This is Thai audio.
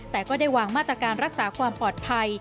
แต่ก็ได้วางมาตรการรักษาความปลอดภัย